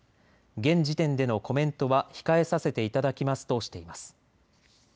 現時点でのコメントは控えさせていただきますとしています。